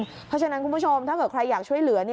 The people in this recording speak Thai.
เพราะฉะนั้นคุณผู้ชมถ้าเกิดใครอยากช่วยเหลือ